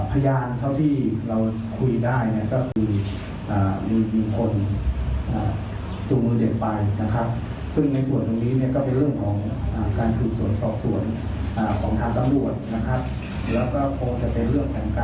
พยานเท่าที่เราคุยได้เนี่ยก็คือมีคนจูงมือเด็กไปนะครับ